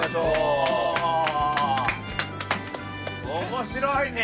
面白いね！